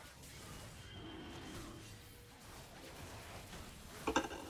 No tiene cráter debido a la erosión.